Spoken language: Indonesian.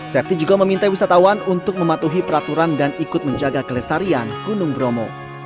septi juga meminta wisatawan untuk mematuhi peraturan dan ikut menjaga kelestarian gunung bromo